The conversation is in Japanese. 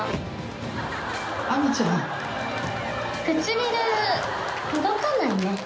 唇届かないね。